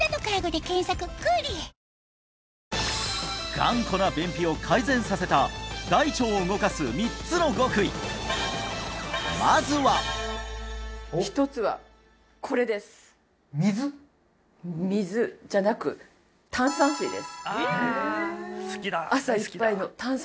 頑固な便秘を改善させた大腸を動かす３つの極意まずは水じゃなく炭酸水ですへえ